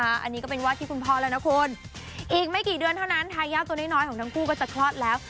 อันนี้ก็เป็นวาดที่คุณพ่อแล้วนะคุณอีกไม่กี่เดือนเท่านั้นทายาทตัวน้อยของทั้งคู่ก็จะคลอดแล้ว